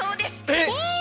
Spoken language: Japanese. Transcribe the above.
⁉え